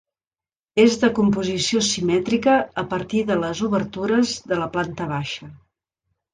És de composició simètrica a partir de les obertures de la planta baixa.